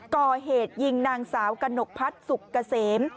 ก่อเหตุยิงนางสาวกระหนกพัฒน์สุกเกษม